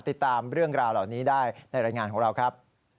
ติดตามเรื่องราวเหล่านี้ได้ในรายงานของเราครับ